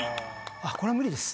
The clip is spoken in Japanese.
これは無理です。